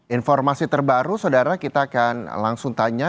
informasi terbaru saudara kita akan langsung tanya